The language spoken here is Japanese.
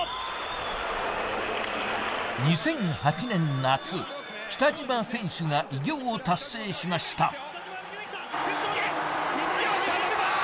２００８年夏北島選手が偉業を達成しました